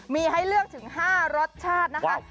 มีให้เลือกถึง๕รสชาติคุณพราบ